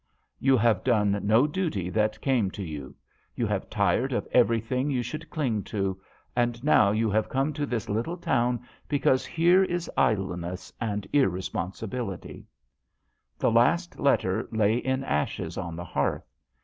" You have done no duty that came to you. You have tired of everything you should cling to ; and now you have come to this little town because here is idle ness and irresponsibility/* The last letter lay in ashes on the hearth.